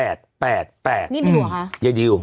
นี่เดี๋ยวเหรอคะเยดิว